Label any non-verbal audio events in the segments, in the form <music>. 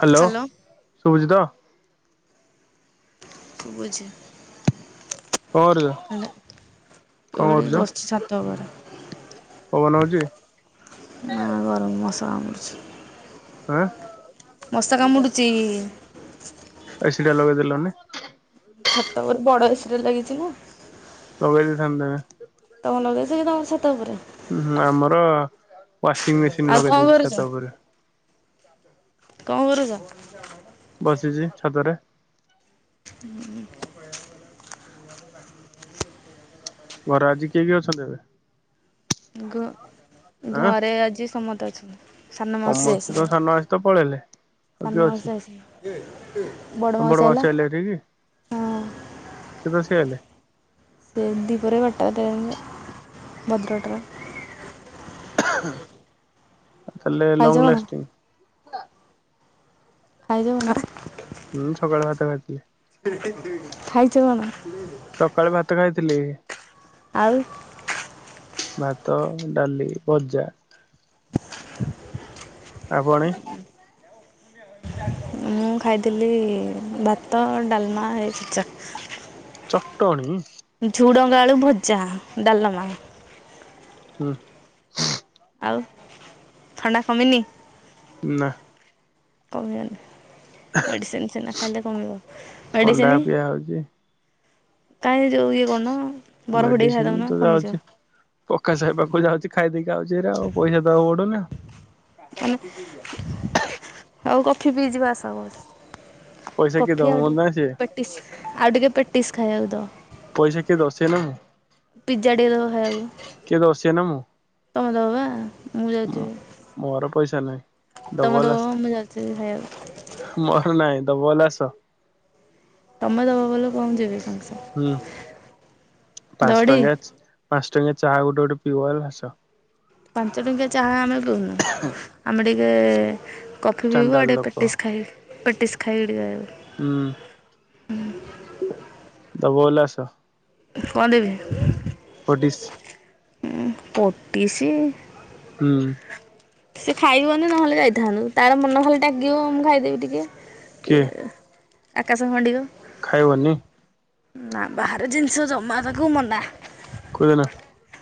Hello ସୁବୁଚି ତ? ଶୁଭୁଛି। କଣ କରୁଛ? ହେଲେ କଣ ଏଇଠି କରୁଛ ବସିଛି ଛାତଉପରେ। ପବନ ହଉଛି? କର୍ଛି <unintelligible> ଆଁ। ମଶା କାମୁଡୁଚି ଇ ଏସି ଟା ଲଗେଇ ଦେଲନି? ଛାତ ଉପରେ ବଡ ଏସି ଟା ଲାଗିଛି ନା। ସବେଲିଥାନ୍ତାେ <unintelligible> ତମର ଲଗେଇଛ କି ତମର ଛାତ ଉପରେ। ଉଁ ଆମର ୱାସିଂ ମେସିନ ଆଉ ଲଗେଇ କଣ ଦେଇେଇଛି କରୁଛ ଛାତ ଉପରେ। କଣ କରୁଛ? ବସିଚି ଛାତରେ। ହୁଁ। ଘରେ ଆଜି କିଏ କିଏ ଅଛନ୍ତି ଏବେ। ଘ ଆଁ ଘରେ ଆଜି ସମତେ ଅଛନ୍ତି। ସାନ ମାଉସି ସମସ୍ତେ ତ ସାନ ଆଇସଚନି ମାଉସୀ ତ ପଳେଇଲେ ଆଉ କିଏ ସାନ ଅଛି ମାଉସି ଆଇଚି କିଏ? ତମ ବଡ଼ ମାଉସି ଆଇଲେ ହେଠିକି ହଁ କେତଳେ ସେ ଆଇଲେ। ସେ <unintelligible> ଭଦ୍ରଅଟରେ। ତାହଲେ ଖାଇଛ ଲଂଗ କଣ? ଲାଷ୍ଟିଙ୍ଗ। ଖାଇଯାଉ ନା। ହୁଁ ସକାଳେ ଭାତ ଖାଇଥିଲି। ଖାଇଚ କଣ? ସକାଳେ ଭାତ ଖାଇଥିଲି। ଆଉ। ଭାତ ଡାଲି ଭଜା। ଆପଣେ? ମୁଁ ଖାଇଥିଲି ଭାତ ଡାଲମା ଏଇ ଚଟ ଚଟଣି? ଝୁଡଙ୍ଗ ଆଳୁ ଭଜା ଡାଲମା। ହୁଁ। ଆଉ ଥଣ୍ଡା କମିନି। ନା? କମନି? ମେଡିସିନ ସିନା ଖାଇଲେ କମିବ ଥଣ୍ଡା ମେଡିସିନ? ପିଆ ହଉଛି କାହିଁକି ଯୋଉ ଇଏ କରୁନ। ବରଫ ଟିକେ ମେଡିସିନ ଖାଇଦଉନ ତ କମିଯିବ ଯାଉଛି ପକାସ ଭାଇ ପାଖକୁ ଯାଉଚି। ଖାଇଦେଇକି ଖାଉଛି ଭାରି ଆଉ ପଇସା ଦବାକୁ ପଡୁନି। ମାନେ ଆଉ କଫି ପିଇ ଯିବା ଆସ ବସ ପଇସା କିଏ ଦବ କଫି ଆଉ ମୋର ନା ସିଏ ଟିକେ ପେଟିସ ଆଉ ଟିକେ ପେଟିସ୍ ଖାଇବାକୁ ଦବ। ପଇସା କିଏ ଦବ ଶିଏ ନା ମୁଁ। ପିଜ୍ଜା ଟିକେ ଦବ ଖାଇବାକୁ କିଏ ଦବ ସିଏ ନା ମୁଁ। ତମେ ଦବ ବା ମୁଁ ଯାଇଥିବି। ମୋର ପଇସା ନାଇଁ ଡବଲ ଯାଉଛି ଖାଇବାକୁ ଆସ ମୋର ନାଇଁ। ଦବ ହେଲେ ଆସ। ତମେ ଦବ ଭଲ କୁହ ମୁଁ ଯିବି ସାଙ୍ଗ ହୁଁ ଦବ ପାଞ୍ଚ ଟି ଟଙ୍କା ପାଞ୍ଚ ଟଙ୍କିଆ ଚାହା ଗୋଟେ ଗୋଟେ ପିଇବ ହେଲା ଆସ। ପାଞ୍ଚ ଟଙ୍କିଆ ଚାହା ଆମେ ପଉନୁ। ଆମେ ଟିକେ କଫି ପିଇବୁ ଷ୍ଟାଣ୍ଡାର୍ଡ ଆଡ଼େ ଲୋକ ପେଟିସ୍ ଖାଇବୁ। ପେଟିସ୍ ଖାଇବୁ ଆଡୁ ହୁଁ। ହୁଁ। ଦବ ହେଲେ ଆସ କଣ ଦେବି ପଟିସ। ଉଁ ପଟିଶ। ହୁଁ। ସେ ଖାଇବନି ନହେଲେ ଯାଇଥାନ୍ତୁ। ତାର ମନ ଖାଲି ଡାକିବ ମୁଁ ଖାଇଦେବି ଟିକେ। କି କିଏ ଆକାଶ ହନଡିକ। ଖାଇବନି। ନା ବାହାର ଜିନିଷ ଜମା ତାକୁ ମନା। <unintelligible>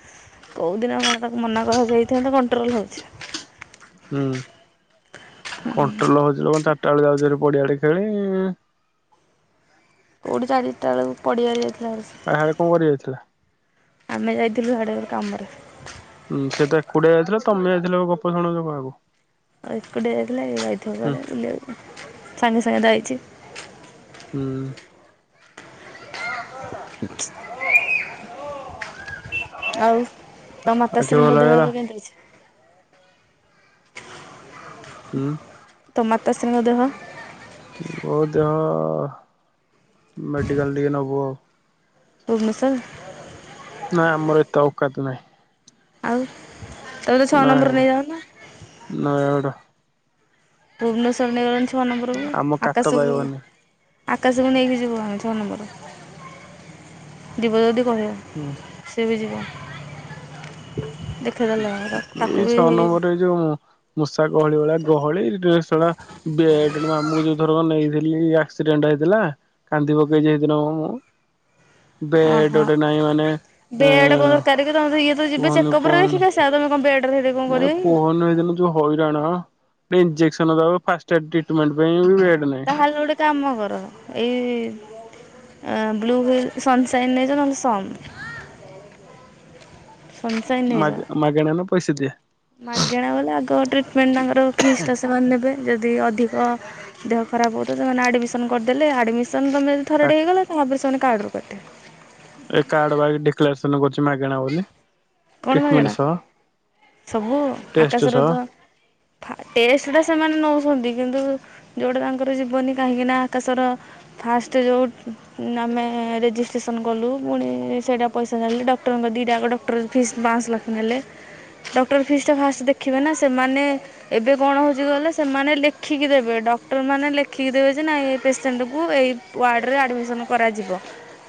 କୋଉଦିନ ଆପଣ ତାକୁ ମନା କରାଯାଇଥାନ୍ତା କଣ୍ଟ୍ରୋଲ୍ ହୋଉଛି। ହୁଁ କଣ୍ଟ୍ରୋଲ ହଉଛି କଣ ଚାରିଟା ବେଳେ ଯାଉଚି ହାରି ପଡିଆ ଆଡ଼େ ଖେଳି। କୋଉଠି ଚାରିଟା ବେଳକୁ ପଡ଼ିଆରେ ଯାଇଥିଲା ଆହାଡେ କଣ କରି ଯାଇଥିଲା? ଆମେ ଯାଇଥିଲୁ ସିଆଡ଼େ କାମରେ। ହୁଁ ସେ ତ ଏକୁଟିଆ ଯାଇଥିଲା ତମେ ଯାଇଥିଲ ଗପ ଶୁଣଉଛ କାହାକୁ? ଏକୁଟିଆ ଯାଇଥିଲେ ଯାଇଥିବେ କୁଆଡ଼େ ବୁଲିବାକୁ, ସାଙ୍ଗେ ସାଙ୍ଗେ ତ ଆଇଛି। ହୁଁ। ଆଉ? ତମ ମାତାଶ୍ରୀଙ୍କ ଦେହ ଏବେ ଆଖି ଭଲ କେମିତି ହେଇଗଲା ଅଛି? ଉଁ ତମ ମାତାଶ୍ରୀଙ୍କ ଦେହ? ବୋଉ ଦେହ ମେଡିକାଲ ଟିକେ ନବୁ ଆଉ। ଭୁବନେଶ୍ବର? ନାଇଁ ଆମର ଏତେ ଔକାତ ନାହିଁ। ଆଉ, ତାହେଲେ ଛଅ ନମ୍ବର ନୟାଗଡ଼ ନେଇଯାଉନ? <unintelligible> ଭୁବନେଶ୍ୱର ନେଇଗଲନି ଛଅ ନମ୍ବରକୁ, ଆମ କାତ ଆକାଶକୁ? ପାଇବନି ଆକାଶକୁ ନେଇକି ଯିବୁ ଆମେ ଛଅ ନମ୍ବର, ଯିବ ଯଦି କହିବ, ହୁଁ ସିଏ ବି ଯିବ। ଦେଖେଇଦେଲେ ହବ ତାକୁ ଏଇ ବି ଛଅ ନମ୍ବର ଏଇ ଯୋଉ ମୂଷା ଗହଳି ଭଳିଆ ଗହଳି ରେ ଶଳା ବେଡ୍ ମାମୁଁଙ୍କୁ ଯୋଉ ଥର ନେଇଥିଲି ଆକ୍ସିଡେଣ୍ଟ ହେଇଥିଲା, କାନ୍ଦି ପକେଇଛି ସେଦିନ ପା ମୁଁ। ବେଡ଼୍ ଓହୋ। ଗୋଟେ ନାହିଁ ମାନେ ବେଡ୍ କଣ ଏଁ-ଏଁ ଦରକାର କି ତମେ ତ ଇଏ ତ ଯିବେ ଚେକଅପରେ ଦେଖେଇ କି ଆସିବା ତମେ କଣ ବେଡ଼୍ ନାଇଁ କୁହନି ସେଇଦିନ ଯୋଉ ହଇରାଣ, ଇଞ୍ଜେକସନ ଦବାକୁ ଫାଷ୍ଟେଡ୍ ଟ୍ରିଟମେଣ୍ଟ୍ ତାହେଲେ ଗୋଟେ କାମ କର ଏଇ ବ୍ଲୁ ହ୍ୱିଲ୍ ସନସାଇନ୍ ନେଇଯାଅ ନହେଲେ ସମ୍ ମା ମାଗଣା ନା ପଇସା ଦିଆ? ମାଗେଣା ବୋଲି ଆଗ ଟ୍ରିଟମେଣ୍ଟ୍ ତାଙ୍କର ଫିସଟା ସେମାନେ ନେବେ ଯଦି ଯଦି ଅଧିକ ଦେହ ଖରାପ ହେଉଥିବ ସେମାନେ ଆଡ଼ମିସନ୍ କରିଦେଲେ ଆଡ଼ମିସ୍ <inaudible> ଥରଟେ ହେଇଗଲା ତାପରେ ସେମାନେ କାର୍ଡରୁ କରିଦେବେ। ଏ କାର୍ଡ ବା ଡିକ୍ଲାରେସନ୍ କରିଛି ମାଗଣା ବୋଲିି କ'ଣ ମାଗଣା ଟ୍ରିଟମେଣ୍ଟ୍ ସହ। ସବୁ? ଟେଷ୍ଟ ଆକାଶର ସହ ତ ଫା ଟେଷ୍ଟଟା ସେମାନେ ନଉ <inaudible> ଛନ୍ତି କିନ୍ତୁ ଯେଉଁଟା ତାଙ୍କର ଯିବନି କାହିଁକିନା ଆକାଶର ଫାଷ୍ଟ୍ ଯୋଉ ନା ଆମେ ରେଜିଷ୍ଟ୍ରେସନ କଲୁ ପୁଣି ସେଇଟା ପଇସା ଛାଡ଼ିଲି ଡକ୍ଟରଙ୍କ ଦିଟା ଯାକ ଡକ୍ଟର ଫିସ୍ ବାଁଶ୍ ଲେଖା ନେଲେ। ଡକ୍ଟର ଫିସଟା ଫାଷ୍ଟ୍ ଦେଖିବେ ନା ସେମାନେ ଏବେ କଣ ହଉଛି କହିଲ ସେମାନେ ଲେଖିକି ଦେବେ ଡକ୍ କ୍ଟରମାନେ ଲେଖିକି ଦେବେ ଯେ ନାଇଁ ଏଇ ପେସେଣ୍ଟକୁ ଏଇ ୱାର୍ଡ଼ରେ ଆଡ଼ମିସନ୍ କରାଯିବ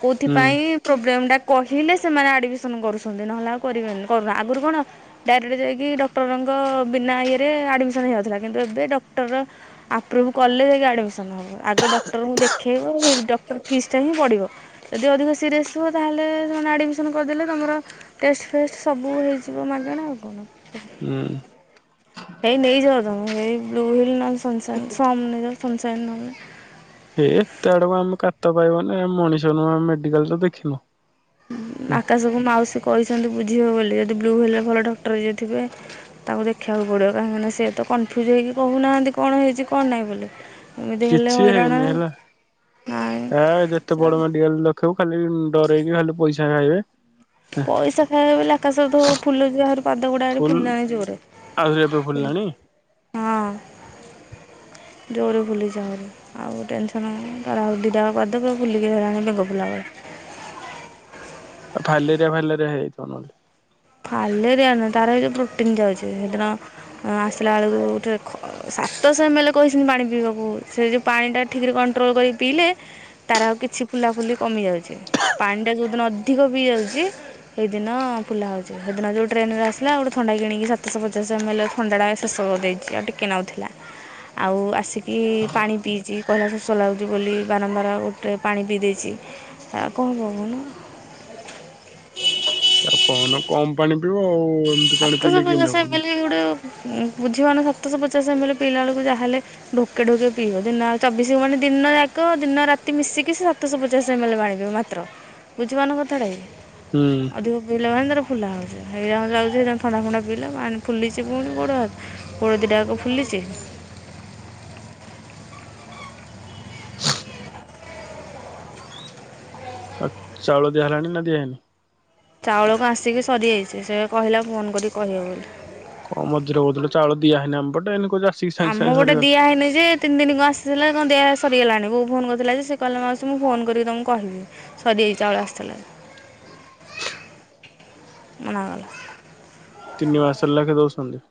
କୋଉଥି ହୁଁ ପାଇଁ ପ୍ରୋବ୍ଲେମଟା କହିଲେ ସେମାନେ ଆଡମିସନ୍ କରୁଛନ୍ତି ନହେଲେ ଆଉ କରିବେନି, କରୁନା ଆଗରୁ କଣ ଡାଇରେକ୍ଟ୍ ଯାଇକି ଡକ୍ଟରଙ୍କ ବିନା ଇଏରେ ଆଡମିସନ୍ ହେଇଯାଉଥିଲା କିନ୍ତୁ ଏବେ ଡକ୍ଟର ଆପ୍ରୁଭ୍ କଲେ ଯାଇକି ଆଡ଼ମିସନ୍ ହେବ। ଆଗ ଡକ୍ଟରଙ୍କୁ ଦେଖେଇବ, ଡକ୍ଟର ଫିସଟା ହିଁ ପଡ଼ିବ। ଯଦି ଅଧିକ ସିରିଅସ୍ ହୁଅ ତାହେଲେ ସେମାନେ ଆଡମିସନ୍ କରିଦେଲେ ତମର ଟେଷ୍ଟଫେଷ୍ଟ୍ ସବୁ ହେଇଯିବ ମାଗଣା ଆଉ କଣ ହୁଁ। ଏଇ ନେଇଯାଅ ତମେ ଏଇ ବ୍ଲୁ ହ୍ୱିଲ୍ ନହଲେ ସନସାଇନ୍ ସମ୍ ନେଇଯାଅ ସନସାଇନ୍ ନହେଲେ ହେ ଏତେ ଆଡକୁ ଆମ କାତ ପାଇବନି ଆମେ ମଣିଷ ନୁହଁ ଆମେ ମେଡିକାଲ ତ ଦେଖିନୁ। ଉଁ ଆକାଶକୁ ମାଉସୀ କହିଛନ୍ତି ବୁଝ୍ ବୁଝିବୁ ବୋଲି, ଯଦି ବ୍ଲୁ ହ୍ୱିଲରେ ଭଲ ଡକ୍ଟର ଯିଏଥିବେ ତାଙ୍କୁ ଦେଖେଇବାକୁ ପଡ଼ିବ କାହିଁକିନା ସେ ତ କନଫ୍ୟୁଜ୍ ହେଇକି କହୁନାହାନ୍ତି କଣ ହେଇଛି କଣ ନାହିଁ ବୋଲି ଏମିତି ହେଲେ କିଛି ହଇରାଣ ହେଇନି ହେଲା, ନାଇଁ ଏ ଯେତେ ବଡ ସେଆଡ଼େ ମେଡିିକାଲ ଲେଖୁ ଖାଲି ଡରଇକି ଖାଲି ପଇସା ଖାଇବେ ପଇସା ଖାଇବା ଲାଖା ସବ ଫୁଲ ଯ ପାଦ ଗୁଡା ଫୁଲ ଫୁଲିଲାଣି ଜୋରେ ଆହୁରି ଏବେ ହଁ। ଫୁଲିଲାଣି ଜୋରେ ଫୁଲିଛି ଆହୁରି ଆଉ ଟେନସନ୍ ତାର ଆଉ ଦୁଇଟାକ ପାଦ ପୁରା ଫୁଲିକି ରହିଲାଣି ବେଙ୍ଗ ଫୁଲା ଭାଲେରିଆ ଭାଲେରିଆ ହେଇଥିବ ନହେଲେ ଫାଲରିଆ ନୁହେଁ ତାର ପ୍ରୋଟନ <unintelligible> ଏ ଆସଲ ଆଳ ସ ସତଶ ଏମଏଲ୍ କହିଛନ୍ତି ପାଣି ପିଇବାକୁ ସେ ଯେଉଁ ପାଣିଟା ଠିକରେ କଣ୍ଟ୍ରୋଲ କରି ପିଇଲେ ତାର ଆଉ କିଛି ଫୁଲା ଫୁଲି କମି ଯାଉଛି ପାଣି ଟା ଯୋଉ ଦିନ ଅଧିକ ପିଇ ଯାଉଛି ସେଇଦିନ ଫୁଲା ହଉଛି। ସେଦିନ ଯେଉଁ ଟ୍ରେନରେ ଆସିଲା ଗୋଟେ ଥଣ୍ଡା କିଣିକି ସାତଶହ ପଚାଶ ଏମ୍ଏଲ୍ ଥଣ୍ଡାଟା ଶେଷ କରି ଦେଇଛି ଆଉ ଟିକେ ନାକୁ ଥିଲା ଆଉ ଆସିକି ପାଣି ପିଇଛି କହିଲ ଶୋଷ ଲାଗୁଛି ବୋଲି ବାରମ୍ବାର ଗୋଟେ ପାଣି ପିଇ ଦେଇଛି ଆ କଣ କହୁନୁ ଆ କଣ କମ ପାଣି ପିଇବ ଆଉ ଏମିତି ପାଣି ସାତଶ ପିଇଲେ କେମିତି ହବ ପଚାଶ ଏ ମେ କି ଲ ଗୋଟେ ବୁଝିବନ ସାତଶହ ପଚାଶମ ପିଲା ବେଳକୁ ଯାହ ହେଲେ ଢୋକେ ଢୋକେ ପିଇବ ଦିନଉ ଚବିଶ ମାନେ ଦିନ ଯାକ ଦିନ ରାତି ମିଶିକି ସେ ସାତଶହ ପଚାଶ ଏମ ଏଲ ପାଣି ପିଇବ ମାତ୍ର। ବୁଝି ପାରୁନ କଥାଟା କି? ହୁଁ। ନ୍ଦରେ ଖୁଲା ହୋଉଚି ହେଇଟା <unintelligible> ଥଣ୍ଡା ଫଣ୍ଡା ପିଇଲାା ପାଣି ଫୁଲିଚି ଫୁଣି ଗୋଡ଼ ହାତ ଗୋଡ଼ ଦିଇଟାଙ୍କ ଫୁଲିଚି? ଆଉ ଚାଉଳ ଦିଆ ହେଲାଣି ନା ଦିଆନି ହେଇନି? ଚାଉଳକୁ ଆସିକି ସରିଯାଇଚି ସିଏ କହିଲା ଫୋନ କରିକି କହେ ବୋଲି। କ ମଝିରେ କୋହୁଥିଲୁ ଚାଉଳ ଦିଆଇନି ଆମ ପଟେ ଏଇନେ କୋହୁଚୁ ଯା ଆମ ପଟେ ଦିଆ ହେଇନି ଯେ ତିନି ଦିନି କ ଆସିଥିଲା। କନ୍ତି ସରିଗଲାଣି ବୋଉ ଫୋନ କରିଥିଲା ଯେ ସିଏ କହିଲା ମାଉସୀ ମୁଁ ଫୋନ କରିକି ତମକୁ କହିବି ସରିଯାଇଛି ଆସିଥିଲା ଯା। ମନା କଲା। ତିନି ମାସ ଲାଖେ ଦୋଉଛନ୍ତି?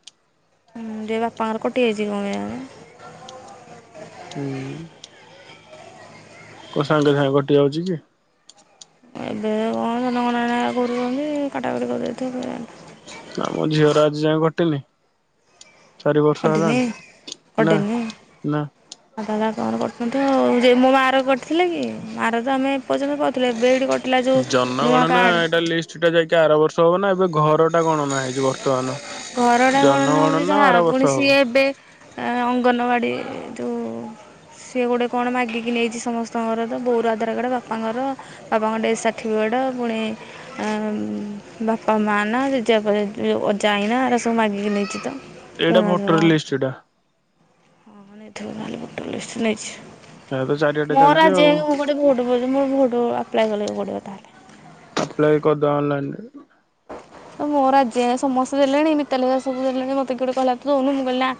ହୁଁ ଯେ ବାପାଙ୍କର କଟିଯାଇଚି କଣ କେଇଁଆଣି। ହୁଁ। କୋ ସାଙ୍ଗେ ସାଙ୍ଗେ କଟି ଯାଉଚି କି? ଏବେ କଣ ଜନଗଣନା କରୁଚନ୍ତି କାଟାକଟି କରିଦେଇଥିବ କେଜାଣି। ଆମ ଝିଅର ଆଜି ଯାଏ କଟିନି। ଚାରି ବର୍ଷ କଟିନି ହେଲାଣି ନା ନା। ଫୋନ୍ କରୁଚନ୍ତି ଆଉ ଯେ ମୋ ମାର କଟିଥିଲା କି ମାର ତ ଆମେ ପର୍ଯ୍ୟନ୍ତ କରିଥିଲୁ ଏବେ କଟି ଜନଗଣ ନା ଏଇଟା ଲିଷ୍ଟ ଟା ଯାଇକି ଆର ବର୍ଷ ହବ ନା ଏବେ ଘର ଟା କଣ ନାଁ ଘର ଟା କଣ ନାହାନ୍ତି ତ ଆର ବର୍ଷ ପୁଣି ହବ ସିଏ ଏବେ ଆଁ ଅଙ୍ଗନବାଡ଼ି ଯୋଉ ସିଏ ଗୋଟେ କଣ ମାଗିକି ନେଇଚି ସମସ୍ତଙ୍କର ବୋର ଆଧାର କାର୍ଡ ବାପାଙ୍କର ବାପାଙ୍କ ଡେଥ ସାର୍ଟିଫି ଡ଼ ଫୁଣି ବାପା ମା ନା ଜେଜେବାପା ଅଜା ଆଈ ନା ସବୁ ମାଗିକି ନେଇଚି ତ। ଏଇଟା ପୁଣି ଆଉଥରେ ଭୋଟର କ'ଣ ଲିଷ୍ଟଟା। ହଁ ନେଇଥିବ ତାହାଲେ ଭୋଟର ଲିଷ୍ଟ ଏ ତ ନେଇଚି। ଚାରିଆଟେ ମୋର ଚାଲିଛି ଆଜି ଆଉ ଜାଙ୍କେ ମୁଁ ଗୋଟେ ଭୋଟ ପରିଚ ମୋର ଭୋଟ ଆପ୍ଲାଏ କରିବାକୁ ପଡିବ ତାହେଲେ। ଏପଲଇ କରିଦିଅ ଅନଲାଇନ୍ ରେ। ତ ମୋର ଆଜି ଯାଏଁ ସମସ୍ତେ ଦେଲେଣି ମିତାଲି ହେଇକା ସବୁ ଦେଲେଣି। ମତେ କିଏ ଗୋଟେ କହିଲା ତୁ ଦୋଉନୁ ମୁଁ କହିଲି ନା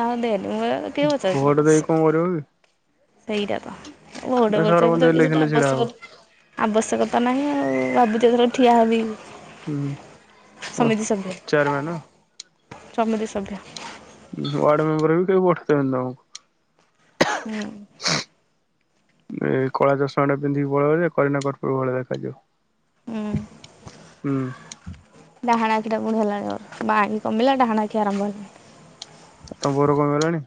ନା ତୁ ଦେନ୍ ମୁଁ ହେ କିଏ ପଚାରୁଚି ମ ଭୋଟ ହେ ଦେଇ ସେ। କଣ କରିବ କି ସେଇଟା ତ ଭୋଟ ନା ପରିଚୟ ସରପଞ୍ଚ ପତ୍ର କିଛି ଇଲେକ୍ସନ ରେ ଛିଡା ଆବଶ୍ୟକ ହବ ଆବଶ୍ୟକତା ନାହିଁ ଆଉ। ଭାବୁଚି ଏଥର ଠିଆ ହେବି। ହୁଁ ଓ ଚେୟାର ମ୍ୟାନ? ସମିତିସଭ୍ୟ। ୱାର୍ଡ ମେମ୍ବରରେ କେହି ଭୋଟ ଦେବେନି ତମକୁ। ହୁଁ। ଏଇ କଳା ଚଷମା ଟା ପିନ୍ଧିକି ପଳେଇବ ଯେ କରିନା କପୁର ଭଳିଆ ଦେଖାଯିବ। ହୁଁ। ହୁଁ। ଡାହାଣା ଆଖିଟା ପୁଣି ହେଲାଣି ମୋର ବା ଆଖି କମିଲା ଡାହାଣା ଆଖି ଆରମ୍ଭ ହେଲାଣି। ଆଉ ତମ ବୋଉର କମିଗଲାଣି?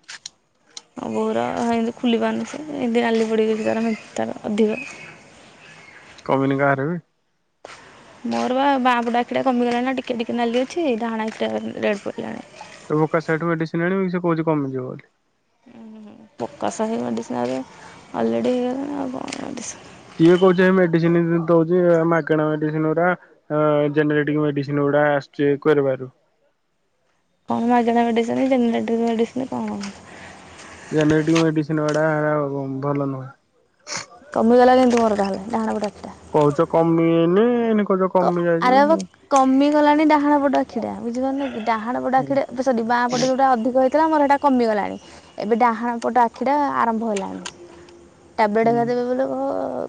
ମୋ ବୋଉର ହେନ୍ତି ଖୋଲିପାରୁନି ସେ ଏମତି ନାଲି ପଡିଛି ତାର ତାର ଅଧିକ। କମିନି କାହାର ବି? ମୋର ବାଁ ପଟ ଆଖିଟା କମିଗଲାଣି ଟିକେ ଟିକେ ନାଲି ଅଛି ଡାହାଣ ଆଖିଟା ରେଡ ପଡିଲାଣି। ପକାସ ସେଠୁ ମେଡିସିନ ଆଣିବ ସେ କହୁଛି କମିଯିବ ବୋଲି ହଁ ହଁ ପକାସାହି ମଡିିସିନରେ ଆଲରେଡ଼ିି <unintelligible> ସିଏ କହୁଛି ମେଡିସିନ ଦଉଛି ମାଗେଣା ମେଡିସିନ ଗୁରା ଜେନେରେଟିକ ମେଡିସିନ ଗୁଡା। <unintelligible> କରିବାରୁ। କଣ ମାଗେଣା ମେଡିସିନ ଜେନେରେଟିକ କଣ ଜେନେରେଟିକ ମେଡିସିନ ଗୁଡା ଭଲ ନୁହେଁ। କମିଗଲା କିନ୍ତୁ ମୋର ଡାହାଣ ପଟ ଆଖି କହୁଛ କମିନି କହୁଛ କମି ଯାଇଛି ଆରେ ବାଵା ହୁଁ। କମିଗଲାଣି ଡାହାଣ ପଟ ଆଖିଟା ବୁଝିପାରୁନ କି ଡାହାଣ ପଟ ଆଖିଟା ଏ ସରି ଵା ପଟେ ଯୋଉଟା ଅଧିକ ଥିଲା ମୋର ସେଇଟା କମିଗଲାଣି ଏବେ ଡାହାଣ ପଟ ଆଖିଟା ଆରମ୍ଭ ହେଲାଣି। ଟାବଲେଟ <unintelligible> ଦେବେ ବୋଲି କହ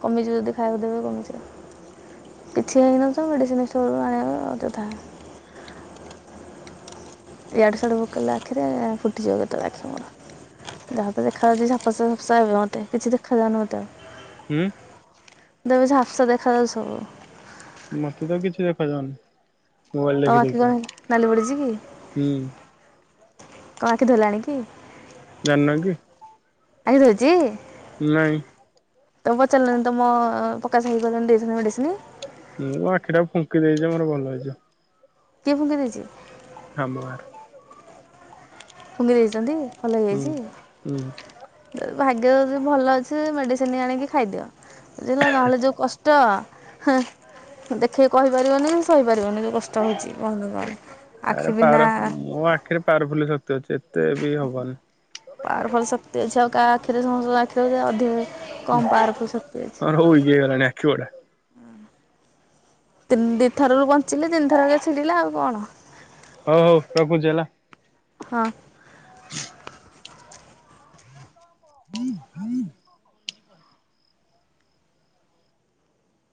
କମିଯିବ ଯଦି ଖାଇବାକୁ ଦେବେ <unintelligible> କଣକିଛି ଛି ହେଇନଥିବ ମେଡିସିନ ଷ୍ଟୋର ରୁ ଆଣିବା ଅଯଥା ଇଆଡୁ ସିଆଡୁ ପକେଇଲେ ଆଖିରେ ଫୁଟିଯିବ କେତେବେଳେ ଆଖି ମୋର ଯାହା ତ ଦେଖାଯାଉଛି ଝାପସା ଝାପସା ଏବେ ମୋତେ କିଛି ଦେଖାଯାଉନି ମୋତେ ଆଉ। ହୁ। ମୋତେ ଝାପସା ଦେଖାଯାଉଛି ସବୁ। ମତେ ତ କିଛି ଦେଖାଯାଉନି। ମୋବାଇଲ ତମ ଦେଖି ଆଖି ଦେଖିକା କଣ ନାଲି ପଡିଛି କି? ହୁଁ କଣ ଆଖି ଧଲାଣି କି? ଜାଣିନ କି? ଆରେ ରୋଜି? ନାଇଁ। ତମ ପଚାରିଲ ନା ତମ ପକାସ ଭାଇ କୁ କହିଥାନ୍ତ ଦେଇ ଥାନ୍ତା ମେଡିସିନ। ଆଖି ଟା ଫୁଙ୍କି ଦେଇଛି ମୋର ଭଲ ହେଇଯିଵ। କିଏ ଫୁଙ୍କି ଦେଇଚି? ଆମ ଗାଁର ଫୁଙ୍କି ଦେଇଛନ୍ତି ଭଲ ହୁଁ। ହୁଁ ହେଇଯାଇଛି? ଭାଗ୍ୟ ଜଦି ଭଲ ଅଛି ମେଡ଼ିସିନ ଆଣିକି ଖାଇଦିଅ ବୁଝିଲ ନହେଲେ ଯୋଉ କଷ୍ଟ ହଁ ଦେଖେଇି କହିପାରିବନି ଶହିପାର <unintelligible> କଷ୍ଟ ହଉଛି <unintelligible> ଆରେ ଆଖି ବିନଧା। ତ ଯେତେ ବି ହବନି। ଛଆକା ଆଖିରେ ସମସ୍ତଙ୍କ ଆଖିରେ ଅଧିକ କମ୍ ହ ପାୱାରଫୁଲ୍ ଆ ଶକ୍ତି ଅଛି ଇଏ ହେଇଗଲାଣି ଆଖିବଡା ଦି ଥର ବଞ୍ଚିଲେ ତିନିଥରକେ ଛିଡିଲା ଆଉ କଣ। ହଉ ହଉ ରଖୁଛି ହେଲା। ହଁ